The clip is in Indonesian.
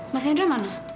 mas hendra mana